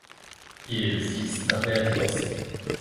Il est le fils d'un père divorcé.